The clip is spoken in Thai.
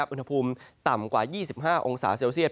อุณหภูมิต่ำกว่า๒๕องศาเซลเซียต